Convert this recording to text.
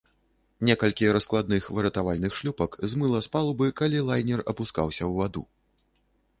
Некалькі раскладных выратавальных шлюпак змыла з палубы, калі лайнер апускаўся ў ваду.